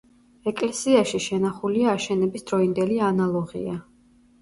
ეკლესიაში შენახულია აშენების დროინდელი ანალოღია.